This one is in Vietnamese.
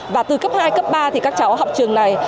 và từ cấp hai cấp ba thì các cháu học trường này